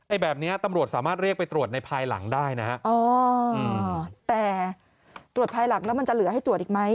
แบบนี้ตำรวจสามารถเรียกไปตรวจในภายหลังได้นะฮะอ๋อแต่ตรวจภายหลังแล้วมันจะเหลือให้ตรวจอีกไหม